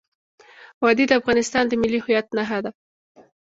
وادي د افغانستان د ملي هویت نښه ده.